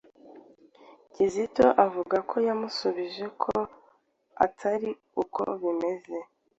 Kizito avuga ko yamusubije ko atari uko bimeze,